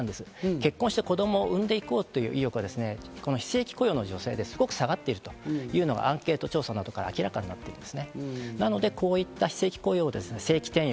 結婚して子供を産んで行こうという意欲が非正規雇用の女性ですごく下がっているというのがアンケート調査などから明らかになっています。